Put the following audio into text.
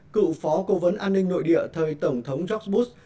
cựu phó cố vấn an ninh nội địa thời tổng thống george bush